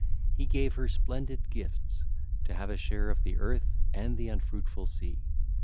He gave her splendid gifts, to have a share of the earth and the unfruitful sea.